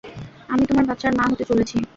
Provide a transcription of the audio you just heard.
আমি তোমার বাচ্চার মা হতে চলেছি!